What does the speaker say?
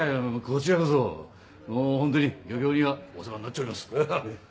こちらこそもうホントに漁協にはお世話になっちょります。